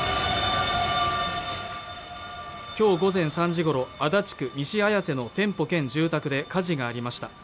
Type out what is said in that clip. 今日午前３時ごろ足立区西綾瀬の店舗兼住宅で火事がありました